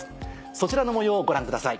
そちらの模様をご覧ください。